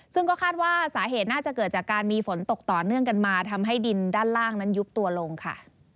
ซึ่งก็คาดว่าสาเหตุน่าจะเกิดจากการมีฝนตกต่อเนื่องกันมาทำให้ดินด้านล่างนั้นยุบตัวลงค่ะ